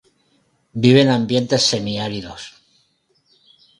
Vive en ambientes semi-áridos.